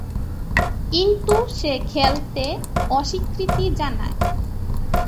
কিন্তু সে খেলতে অস্বীকৃতি জানায়।